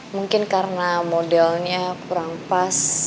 mungkin karena modelnya kurang pas